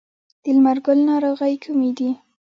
د لمر ګل ناروغۍ کومې دي؟